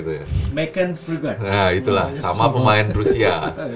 nah itulah sama pemain rusia